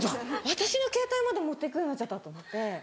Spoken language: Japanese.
私のケータイまで持ってくようになっちゃったと思って。